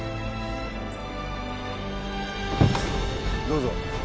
どうぞ。